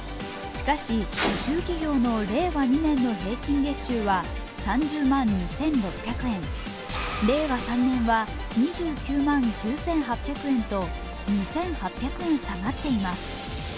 しかし中企業の令和２年の平均月収は３０万２６００円令和３年は２９万９８００円と２８００円下がっています。